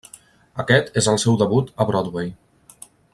Aquest és el seu debut a Broadway.